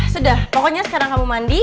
sudah pokoknya sekarang kamu mandi